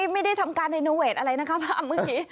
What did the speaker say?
ไม่ได้ทำการอะไรนะคะภาพเมื่อกี้